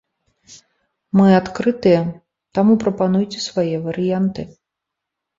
Мы адкрытыя, таму прапануйце свае варыянты.